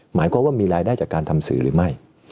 หมายความว่ามีรายได้จากการทำสื่อหรือไม่